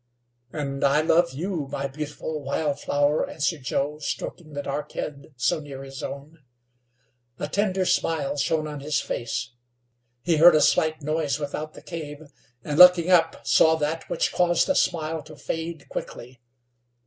"And I love you, my beautiful wild flower," answered Joe, stroking the dark head so near his own. A tender smile shone on his face. He heard a slight noise without the cave, and, looking up, saw that which caused the smile to fade quickly.